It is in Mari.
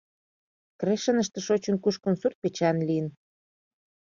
Крешыныште шочын-кушкын, сурт-печан лийын.